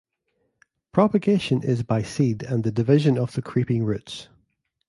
Propagation is by seed and the division of the creeping roots.